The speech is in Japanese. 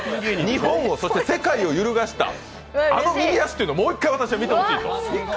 日本を、そして世界を揺るがしたあの右足というのをもう一回、私は見てほしいと！